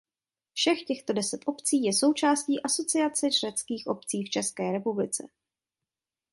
Všech těchto deset obcí je součástí Asociace řeckých obcí v České republice.